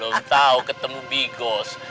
belum tau ketemu bigos